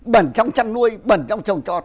bẩn trong chăn nuôi bẩn trong trồng trọt